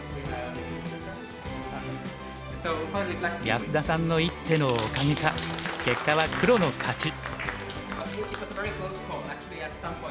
安田さんの一手のおかげか結果は黒の勝ち。